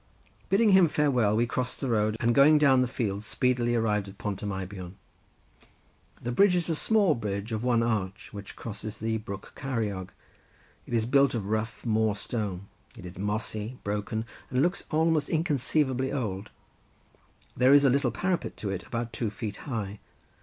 Bidding him farewell, we crossed the road, and going down the field speedily arrived at Pont y Meibion. The bridge is a small bridge of one arch which crosses the brook Ceiriog; it is built of rough moor stone; it is mossy, broken, and looks almost inconceivably old; there is a little parapet to it about two feet high.